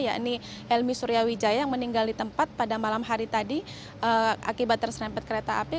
yakni helmi suryawijaya yang meninggal di tempat pada malam hari tadi akibat terserempet kereta api